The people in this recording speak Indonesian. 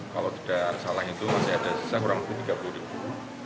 kalau tidak salah itu masih ada sisa kurang lebih tiga puluh ribu